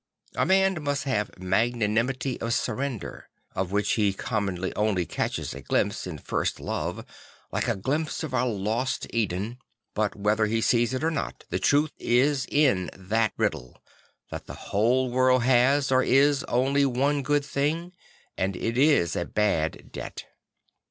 A man must have magnanimity of surrender, of which he commonly only catches a glimpse in first love, like a glimpse of our lost Eden. But whether he sees it or not, the truth is in that riddle; that the whole world has, or is, only one good thing; and it is a bad debt.